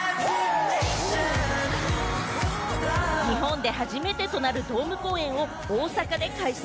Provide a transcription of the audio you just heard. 日本で初めてとなるドーム公演を大阪で開催。